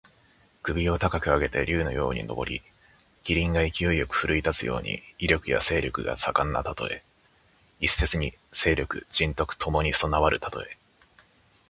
首を高く上げて竜のように上り、麒麟が勢いよく振るい立つように、威力や勢力が盛んなたとえ。一説に勢力・仁徳ともに備わるたとえ。